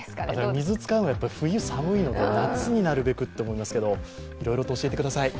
水使うのは、冬寒いので、夏になるべくと思いますがいろいろと教えてください。